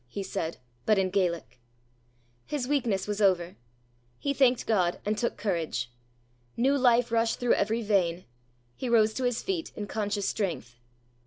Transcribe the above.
he said, but in Gaelic. His weakness was over. He thanked God, and took courage. New life rushed through every vein. He rose to his feet in conscious strength.